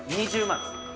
「２０万」